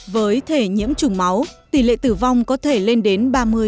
với thể nhiễm chủng máu tỷ lệ tử vong có thể lên đến ba mươi bốn mươi